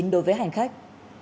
đối với hành khách